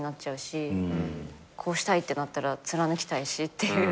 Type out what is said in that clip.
こうしたいってなったら貫きたいしっていう。